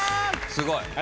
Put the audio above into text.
すごい。